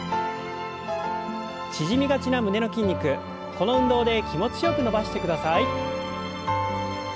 縮みがちな胸の筋肉この運動で気持ちよく伸ばしてください。